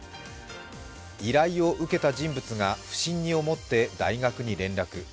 依頼を受けた人物が不審に思って大学に連絡。